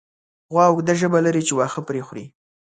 غوا اوږده ژبه لري چې واښه پرې خوري.